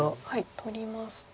取りますと。